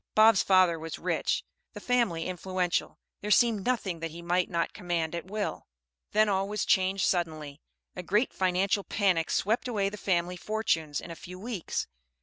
Bob's father was rich, the family influential, there seemed nothing that he might not command at will. Then all was changed suddenly; a great financial panic swept away the family fortunes in a few weeks.